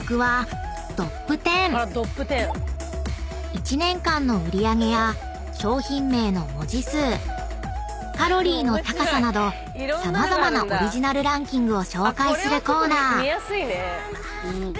［１年間の売り上げや商品名の文字数カロリーの高さなど様々なオリジナルランキングを紹介するコーナー］